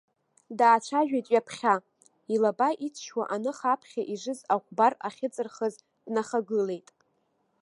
Даацәажәеит ҩаԥхьа, илаба иҵшьуа аныха аԥхьа ижыз аҟәбар ахьыҵырхыз днахагылеит.